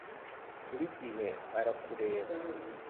Buri gihe arakureba